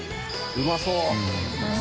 うまそう。